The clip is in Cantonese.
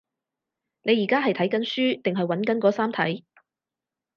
你而家係睇緊書定係揾緊嗰三題？